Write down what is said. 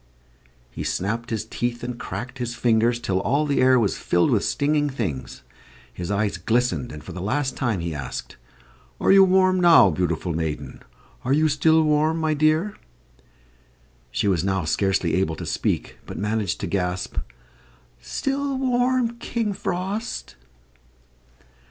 He snapped his teeth and cracked his fingers, till all the air was filled with stinging things. His eyes glistened and for the last time he asked, "Are you warm, now, beautiful maiden? Are you still warm, my dear?" She was now scarcely able to speak, but managed to gasp, "Still warm, King Frost."